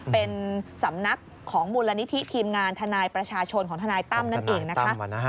เป็นสำนักของมูลนิธิทีมงานทนายประชาชนของทนายตั้มนั่นเองนะคะ